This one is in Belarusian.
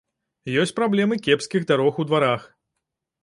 Ёсць праблемы кепскіх дарог у дварах.